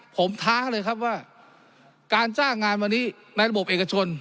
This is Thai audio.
ผมท้าเลยครับว่าการจ้างงานวันนี้ในระบบเอกชน